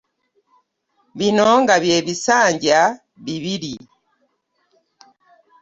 Bino nga by'ebisanja bibiri.